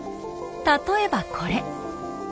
例えばこれ。